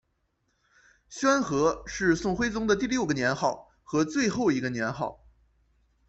宣和是宋徽宗的第六个年号和最后一个年号。